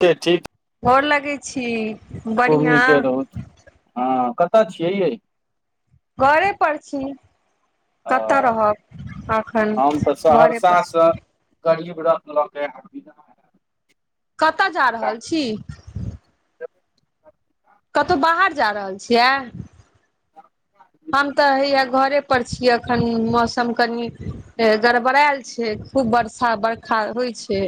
के ठीक गोर लगै छी खूब बढ़िआँ नीके रहु हँ कतऽ छियै यै घरे पर छी आ कतऽ रहब अखन घरे पर छी गाड़ीबरथ सऽ लक एलौ [unintelligible] कतऽ जा रहल छी [unintelligible] कतौ बाहर जा रहल छियै हम तऽ हैया घरे पर छियै ए। अखन मौसम कनि गड़बड़ैल छै खूब बर्षा बरखा होए छै।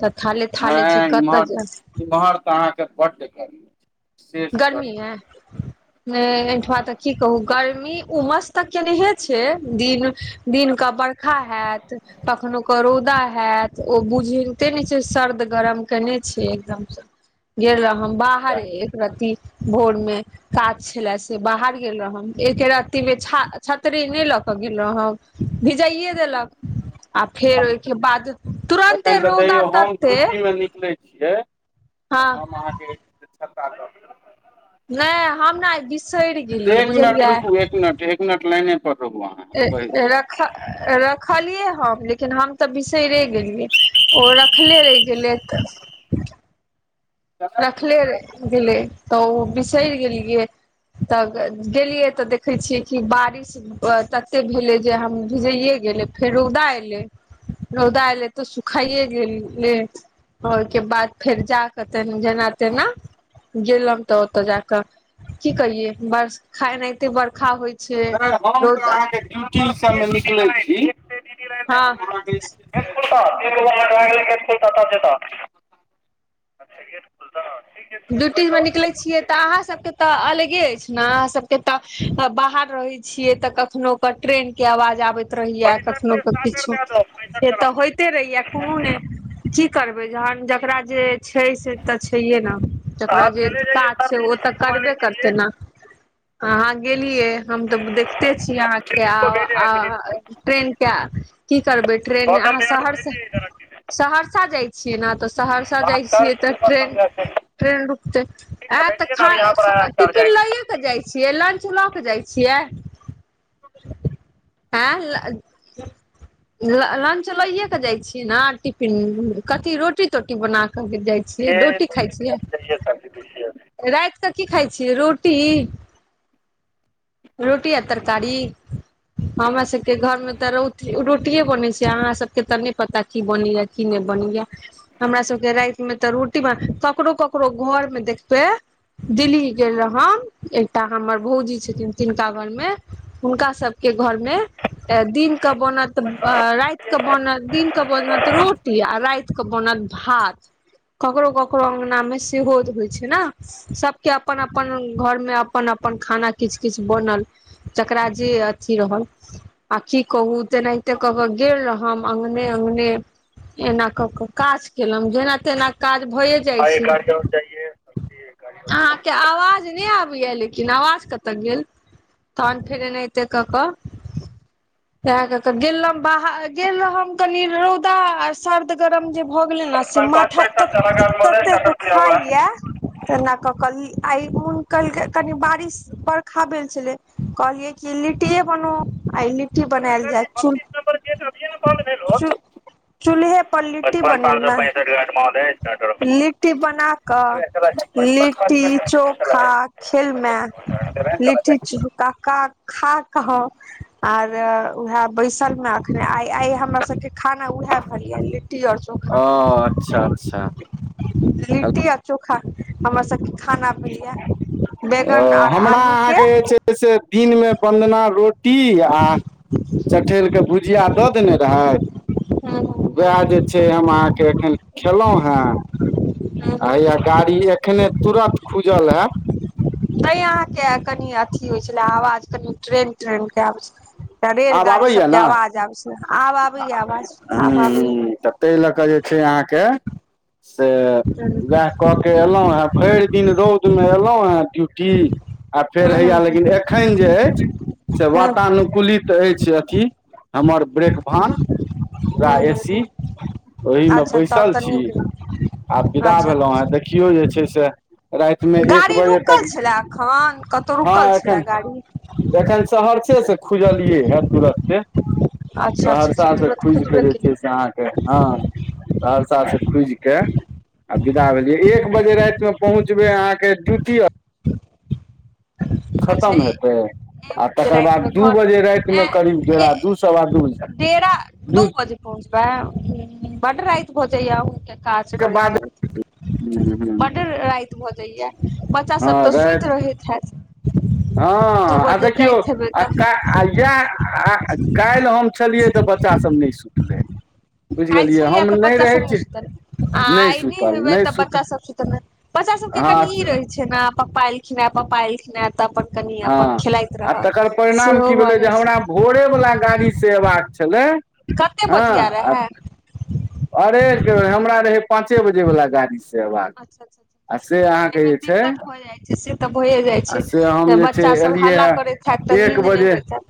तऽ थाले-थाले छै कतऽ जाएब। इमहर तऽ अहाँ के बड गर्मी। छै, शेष गर्मी हे एहिठमा तऽ हँ की कहूं गर्मी उमस तऽ केनहे छै, दिन दिन के बरखा हाएत, कखनो के रौदा आ त ओ बुझेते नै छै सर्द गरम कनै छै एकदम से। गेलौ हम बाहरे वैह एक रती भोर मे। काज छलै से बाहर गेलौ हम, एक रती के छा छतरी नै लऽ कऽ गेलौ हम। भिजाइये देलक आ फेर ओय के बाद तुरन्ते एखन तऽ रौदा तैयो होम तते ड्यूटी मे निकलै छियै हँ तऽ हम अहाँ के जे छता ल ऽ क। नै हम ने आय बिसैर देब गेलियै एक मिनट बुझलियै। रुकू एक मिनट, एक मिनट लाइने पर रहु अहाँ। हम कहै ए छी रख रखलियै हम लेकिन हम तऽ बिसैरे गेलियै। ओ रखलै रैह गेलै तऽ। रखले रह गेलै तऽ ओ बिसैर गेलियै। तब गेलियै तऽ देखै छियै कि बारिश तते भेलै, जे हम भेजैए गेलै फेरो दय एलै। रौदा एलै ते सुखाइये गेले ओय के बाद फेर जाके ते मे जेना-तेना गेलन तऽ ओतऽ जाकऽ की कहिये बरखा एनाहिते बरखा होय नै हम तऽ अहाँके ड्यूटी सब मे निकलै छी, हँ हम अहाँ के [unintelligible] [unintelligible] ड्यूटीमे निकलै छियै। तऽ अहाँ सबके ते अलगे एछ ना, अहाँ सबके त त बाहर रहै छियै तऽ कखनो क ट्रेन के आवाज आबैत रहैया, कखनो क किछो। से तऽ होएते रहैया कुनू नै। की करबै जहन जकरा जे छै से तऽ छैहये ना। तकरा जे काज छैय, ओ तऽ करबे करतै नेय अहाँ गेलियै हम तऽ ब देखते छी अहाँ के आब आ ट्रेन के की करबै ट्रेन अहाँ सहरसा, सहरसा जाय छियै ना त सहरसा जाय छियै तऽ ट्रेन ट्रेन रुकते आ तऽ खा टिफिन लैये के के जाय छियै, लंच लऽ के जाय छियै। हां ल ल लंच लैये के जाय छी ना टिफिन कथी रोटी-तोटी बना के जाय छिये रोटी खाय छियै। रात कऽ की खाय छियै रोटी। रोटी आ तरकारी। हमरा सबके घर मे तऽ रोट-रोटिये बनै छै, अहाँ सबके तऽ नै पता की बनैया। कि नै बनै या। हमरा सबके रात मे तऽ रोटी भा ककरो-ककरो घर मे देखबै। दिल्ली गेलौ हम एकटा हमर भौजी छथिन तिनका घर मे हुनका सबके घर मे ए दिनके बनत अ रात केऽ बनत दिन क बनत रोटी आ राएत के बनत भात। ककरो-ककरो अंगना मे सेहो होय छै ना। सबके अपन-अपन घर मे अपन-अपन खाना किछ किछ बनल जकरा जे अथी रहल आ की कहू तेनाहिते कऽ कऽ गेल रहो हम अंगने- अंगने। एना कऽ कऽ काज केलौं, जेना तेना काज भैये जाय छै आहाँ के आवाज नै आबैया लेकिन आवाज कतऽ तऽ गेल तहन फेर एनाहिते क कऽ ते कतऽ गेलौ बाहर गेल रहौ कनि रौदा आ सर्द गरम जे भऽ गेलेै न से माथा तत तते दुखाय यै तनाऽ कऽ कऽ ई आइ मोन कलकै कनि बारिश बरखा भेल छेलेै कहलियै कि लिट्टीये बनो आय लि्ट टी बनेल जे चूल चू-चूल्हे पर लिट्टी बनेलौ हे लिट्टी बना कऽ लिट्टी-चोखा सेलमे लिट्टी-चोखा का खा कऽ आर उहे बैसल मे अखने आय-आय हमरा सबके खाना उहे भलैये लिट्टी और चोखा ओ अच्छा-अच्छा लिट्टी आ चोखा हमरा सबके खाना भेलैया बैगन आ हमरा आहाँ के जे छै से दिन मे वन्दना रोटी आ आ चठैल के भुजिया दऽ देने रहै वैह जे छै हम आहाँ के एखन खेलौ है। आ हया गाड़ी एखने तुरत खुज लै तैय आहाँ के कनि अथी होय छेल्ला आवाज कनि ट्रेन-ट्रेन के आबै छै तऽ आब रेलगाड़ी आबैया सब के ने आवाज आबै छैला आब आबैये आवाज आब आबैये तैय लऽ कऽ जे छैय आहाँ के से हूं वैह क के एलौं हेँ। भरि दिन रौद मे एलौ हेँ ड्यूटी आ फेर हूं हैया हूं लेकिन एखन जे अछि से हूं वातानुकूलित अछि अथी हमर ब्रेक भान हँ ह ह ओही मे बैसल छी, आब विदा भेलौहेँ अच्छा देखियौ जे छै से रातिमे एक गाड़ी बजे रुकल तक छलै एखन कतौ [inaudible] हँ रुकल छलै एखन गाड़ी [inaudible] एखन स सहरसे स खुजलियेै हे तुरत्ते। [inaudible] अच्छा अच्छा सहरसा अच्छा सं तुरत खुजि क खुजबे जे केलै छै से आहाँके हँ सहरसा से खुजि के आ विदा भेलियै, एक बजे रातिमे पहुँच जेबै आहाँके ड्यूटी आ [unintelligible] अच्छा खतम ई हेतै आ [inaudible] [unintelligible] तकर बाद दू बजे रातिमे करीब डेरा दू सवा दू दू पहुँचबै [inaudible] बड्ड राति भ जाइया अहुंके काज के बाद करैत-करैत। हूँ हूँ बड्ड राति भ जाइया, बच्चा सब हँ त सुति राति रहैत [unintelligible] दू हँ आ बजे देखियौ जाइत हेबै आ तऽ का आ ई किए? आ काल्हि हम छलियै त बच्चा सब नै सुतलै। बुझि काल्हि गेलियै छलियै हम त नहि बच्चा रहै सब नेै छी सुतल आ नहि आइ नै सुतल हेबेै नहि त बच्चा सुतल सब सुत [inaudible] बच्चा सब के कनी ई हँ रहेै छै न पप्पा एलखिने पप्पा एलखिने। त अपन कनी अपन हँ खेलाइत रहल, सेहो भ जाइ छै। भोरेबला गाड़ी सं एबाक छलै। कते हँ बजिया आ रहे। अरे, हमरा रहै पाँचे बजे वला गाड़ीस जेबाके, अच्छा अच्छा आ से अच्छा, आहाँ के एहिमे जे छै दिक्कत भऽ जाइ छै से तऽ भए जाइ से हम छै जे छै बच्चा सब एलियै हल्ला आ करैत हैत तऽ एक नींद नहि बजे होइत हैत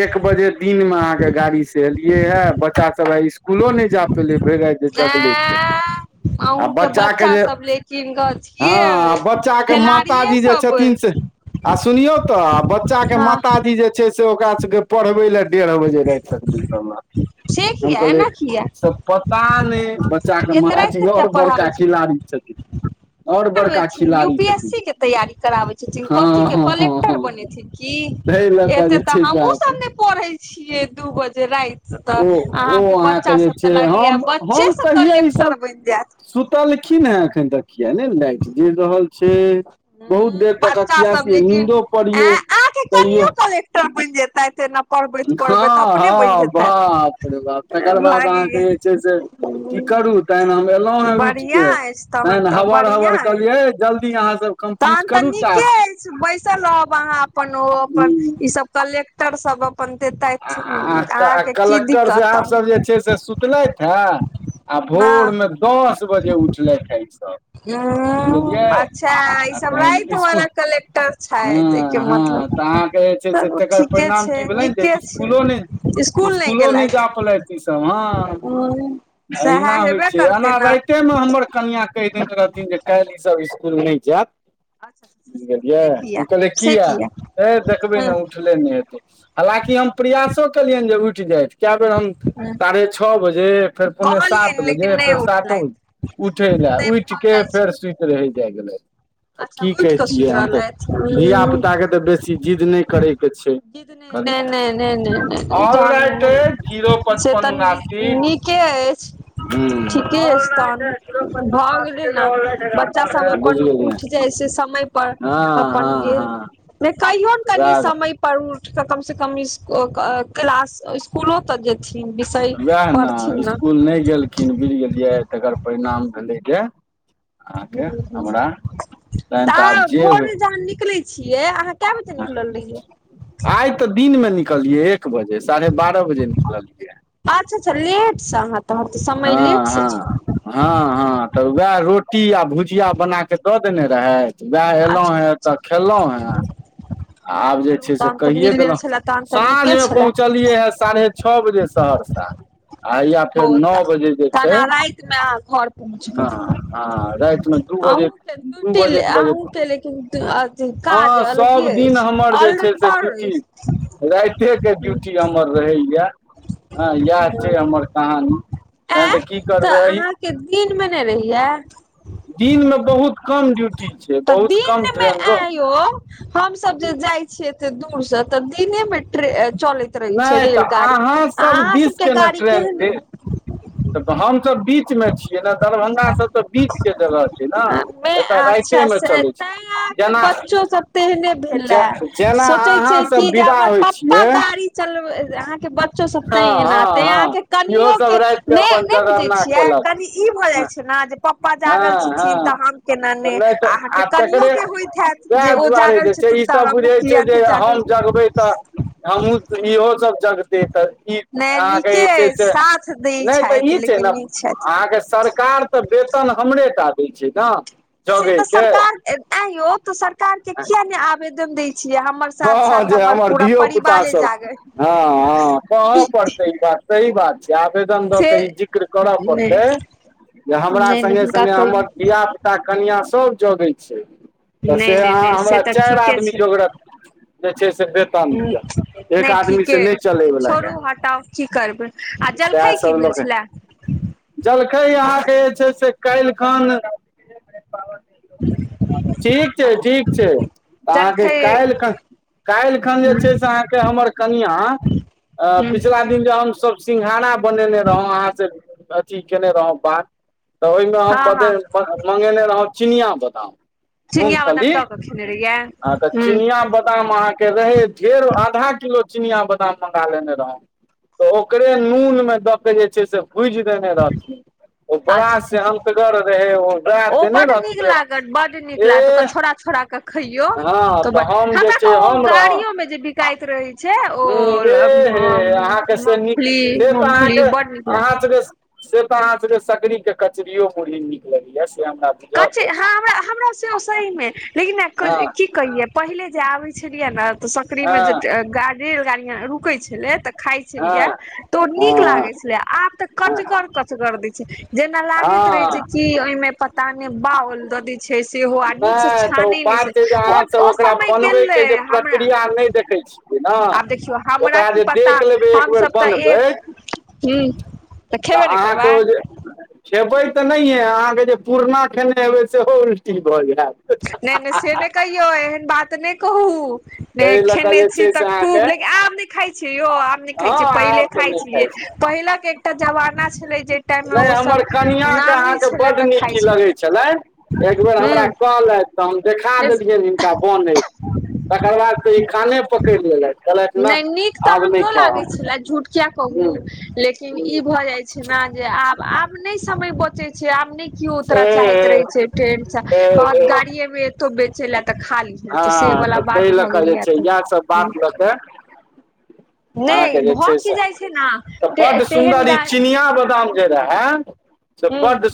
एक बजे दिनमे आहाँ के गाड़ी स एलियै या, बच्चा सब आइ स्कुलो नै जा पेल लै, भरि राति जे जगल से एं [inaudible] आ अहूँ के बच्चा आ जे सब लेकिन [inaudible] हँ आ अथिये बच्चा खेलाड़िये मातााजी जे सब अइ छथिन से आ सुनियौ त बच्चा के हँ मातााजी जे छै से ओकरा सबके पढ़बै ले डेढ़ बजे राति तक बैसल रहथिन। से हम किया कहलिय एना किया से पता नै, बच्चा के एते राति माताजी तक किया आओर बड़का पढ़ाबै छथिन खिलाड़ी छथिन। की और बड़का करबेथिन खिलाड़ी छथिन यूपीएससी के तैयारी कराबै छथिन। हँ कथीके हँ हँ कलेक्टर हँ बनेथिन? ताहि लऽ इह कऽ एते जे त छै से हमहुँ अहाँके सब नै पढ़ै छियै दू बजे राति त ओ ओ अहाँके बच्चा जे सब त छै लागैया हम बच्चे हम स कहियै ईसभ कलेक्टर बनि जाएत। सुतलखिन हैं एखन तक किए ने लइट जरि रहल छै? बहुत देर हूँ तक बच्चा सब अखिआसियै लेकिन नीन्दो ऐं पड़ियै। अहाँके [inaudible] कहियै [inaudible] कनियो कलेक्टर बनि जेतैथ एना पढ़बैत पढ़बैत अपने बनि हँ-हँ, जेतैथ बाप रे बाप तकर बाद अहाँके लागैये जे छै से की करू तहन हम एलौं हें बढ़ियां उठिके, अछि [inaudible] तहन हम तऽ हबड़ हबड़ कहलियै है जल्दी अहाँ सब तखन त नीके अछि, बैसल रहब अहाँ अपन ओ अपन टास्क ई सब कलेक्टर सब अप [inaudible] आ आ क कलक्टर दिक्कत साहेब तहन सब जे छै से सुतलथि हे आ हँ भोरमे दस बजे उठलैथ हे ई सब। बुझि गेलियै ऊं अच्छा ई आ सब तहन राति वाला इसकुल कलेक्टर [inaudible] छथि एहिके हँ-हँ त मतलब अहाँके जे छै से चलू तकर ठीके परिणाम छै की भेलनि जे नीके स्कू कुलो नहि छै स्कूल इस्कुलो नहि गेलथि जा पेलैथ ई सब हँ। ह सएह अहिना होइ हेबे छै एना करतै ने राइतेमे हमर कनियां कहि देने रहथिन जे काइल ई सब स्कुल नै जैत। अच्छा अच्छा बुझि गेलियै से किया हम कहलियै से कियै किया ऐ देखबै ह ने उठ ले नै हेतै हालांकि हम प्रयासो केलियेनि जे उठि जाइथ कै बेर हम ह साढ़े छौ बजे फेर पोने सात कहलियनि बजे लेकिन नहि फेर सातो उठलथि उठै लै नहि उठि भऽ क जाइ छै फेर सुइत रहै जाय गेलैथ। अच्छा की उठि कऽ कैहतियै सुति हम तऽ रहलथि धिया पुता के तऽ बेसी जिद नै करै के छै जिद नहि कनी नहि नहि नहि नहि नहि ऑल राइट जहन अइ जीरो से पचपन तऽ उनासी। नीके अछि हूँ, ठीके ऑलराइट स्थान है जीरो भऽ गेलै पचपन उनासी [unintelligible] बुझिगेलियै जै से समय पर अपन गेल हँ नै कहियोन कनि वैह समय पर उठिकऽ कमसे कम स्कु क क्लास इस्क कुलो तऽ जेथिन विषय पढ़थिन न नै गेल खिन बुझि गेलियै तकर परिणाम भेलै जे अहाँके हूं हूं हमरा तहन त तऽ आब अहां जे होइ भोरे जहन निकलै छियै अहाँ कै बजे निकलल रहियै? आइ तऽ दिन मे निकललियै एक बजे साढ़े बारह बजे निकललियै। अच्छा अच्छा लेट स अहाँ तहन त समय हँ लेट से हँ छै। हँ हँ तऽ वैह रोटी आ भुजिया बना कऽ दऽ देने रहैथ वोह एलौं अच्छा हैं अच्छा एतऽ खेलौं हैं आ आब जे चलू छै से तहन तऽ कहिये मिल गेल देलहुँ छलए तहन तऽ नीके साँझमे छलए पहुँचल लियो है साढ़े छौ बजे सहरसा आ हइया फेर ओ नौ तऽ बजे जे तहन छय अहाँ रातिमे अहाँ घर पहुँच गेल न हँ राति में दु अहूँ बजे के दु ड्यूटी बजैत बजैत अहूँ के लेकिन अथी काज हँ अलगे सब दिन अछि हमर जे छै से अल्टर ड्यूटी राइते के अछि ड्यूटी हमर रहैए हँ यैह छै हमर कहानी। तखन ऐँ तऽ की तऽ करबै एहि अहाँके दिन मे नै रहैय? दिनमे बहुत कम ड्यूटी छै बहुत कम ट्रेन रह हमसब जे जाइ छियैे एत्ते दूर सँ तऽ दिनेमे ट्रे चलैत रहै छै नहि तऽ रेलगाड़ी अहाँ आ अहाँ दिस सबके के ने गाड़ी ट्रेन दे केहन हम सब बीचमे छियै न दरभं गा सब तऽ बीचके जगह छै ने मे एतय अच्छा राइतेमे से चलै तैं छै अहाँके जेना बच्चो सब तेहने जे भेले जेना सोचे अहाँ सब विदा होइ छियै चल अहाँके बच्चो सब तैं हँ एना हँ तैं हँ अहाँके इहो कनियो सब के राति ने अपन नै बुझे जगरना छियै केलक कनि ई भए जाइ हँ ना जे प्पा जागल हँ छथिन हँ तऽ हम केना ने आ अहाँके कनियो के होइत हैत। जे सैह ओ दुआरे जागल जे छै छथिन तऽ ईसभ हमहूँ बुझै छै किया जे नहि जागल हम ज गबै तऽ हमहु स इहो सब जग तै त ई नहि अहांके नीके जे छै से साथ दै नहि तऽ ई छथि छै लेकिन न नीक छथि अहांके सर कार तऽ वेतन हमरे टा दै छै न से तऽ सरकार एं यौ तऽ सरकार के किया नै आवेदन दै छियै हमर हं साथ हं साथ हं जे हमर पूरा धियो पुता परिवारे सब जागे हं हं कहऽ पड़तै ई बात सही बात जाबे आवेदन दऽ से केऽ ई जिक्र करऽ नहि पड़तै जे हमरा नहि नहि सङ्गे - हुनका सङ्गे हमर कहियौ धिय पुता कनिआँ सब जोगै छै, तऽ नहि से नहि अहाँ नहि से हमरा तऽ चाइर ठीके आदमी जोगरत जे छै से ह एक नय आदमी से ठीके नहि चलैवला छोड़ू यऽ हटाउ की करबै आ सएह जलखइ की सब भेल लऽ के छलै जलखै अहाँके जे छै, से काल्हिखन [unintelligible] ठीक छै, ठीक छै, अहाँ के जलखै काइल्ह ख कइल्हखन जै छै हमर कनियाँ आ पिछला दिन हमस सिंघारा बनेने रहौ अहाँ से जि केने रहौ बात तऽ, ओइ मे हम हँ हँ ब मंगेने रहौ चिनिया बादाम चिनिया बादाम मुमफली दऽ कऽ खेने रहियै आ त हूँ चिनिया बदाम अहाँ के के रहे ढेर आधा किलो चिनिया बादाम मंगा लेने रहौ। तऽ ओकरे नून मे द के जे छै से भुज रहथिन ओ बड़ा अच्छा अच्छा सेहनतगर रहै ओ राय ओ देने बड रहथिन नीक जे लागत बड नीक लागत ओरा एह छोरा - छोरा के खैयो हँ तऽ तरा हम जे तऽ छै ओ हम रहौं गाड़ियो में जे बिकाइत रहै छै ओ हूं एह हे अहाँके [unintelligible] से नीक मफली से तऽ -मफली अहाँके बड नीक अहाँ लाग सबके से तऽ, अहाँ सबके सकरी के कचरियो मुरही नीक लगैया से हमरा बुझल कच अछि हँ हमराँ सहीमे हँ लेकिन की कहियै पहिले जे आबै छलियै ने तऽ, सकरी मे जे हँ गाड़ी रेल रुकै छलै तऽ, खाइ हँ छलियै तऽ ओ नीक हँ लागैत छलै, आब तऽ हँ कचगर -कचगर दै छै, जेना लागैत रहे हँ छै, कि नहि ओइ मे तानी बाओल द छै सेहो आ नीक सँ तऽ ओ छानै नहि बात छै जे ओ अहाँसभ -ओ ओकरा समय गेलइ बनबयके जे हमरा प्रक्रिया नहि देखै छियै ने आब देखियौ हमरा ओकरा की जे पता देख लेबै एक हमस बेर तऽ, बनबै एक हुं तऽ अहाँके ओ जे खेपै तऽ, नहिये अहाँ के जे पुरना खेने हेबे सेहो उल्टी भए जायत नैय -नैय से ने कहियौ एहन बात नै कहू ताहि लऽ कऽ खेने जे छी छै तऽ, से खूब अहाँके लेकिन आब नइ खाइ छी, यौ आम नइ खाइ हँ छी, पहिले आब तऽ खाइ नहि छियै, पहिलके एकटा जमाना छलै, जै नैय हमर कनिआँके अहाँके बड्ड तऽ खाइ नीक छलै लगैत छलैन। एक बेर हमरा हूँ कलहलेथ तहन देखा देलियनि हिनका बनइत तकर बाद से ई खाने पकइड़ लेलथ नय नीक तऽ, हमरो लागे छले झूठकिया हम कहू ह्म लेकिन ह्म ई भए जाइ जे आब -आब नै समय बचे आब नै कियो उतरो चाहैत रहे छै, ट्रेन स कहत गाड़ीे मे एतोच बेच च तऽ, खा लीहे तऽ से हँ बला तऽ बात ताहि लऽ भऽ कऽ जे गेल छै इएहसभ बात तऽ, लऽ कऽ नहि अहाँके जे भऽ छै की से जाइ छै ने तऽ, ते बड तेहन सुन्दर ई गाय चिनिया बादाम जै रहै से ह बड सुन्दर